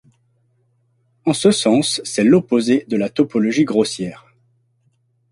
En ce sens, c'est l'opposé de la topologie grossière.